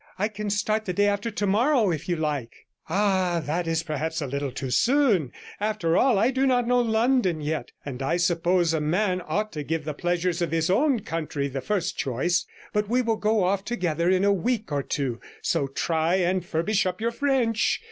'I can start the day after tomorrow if you like.' 107 'Ah! that is perhaps a little too soon; after all, I do not know London yet, and I suppose a man ought to give the pleasures of his own country the first choice. But we will go off together in a week or two, so try and furbish up your French.